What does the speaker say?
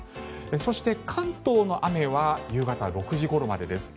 そして関東の雨は夕方６時ごろまでです。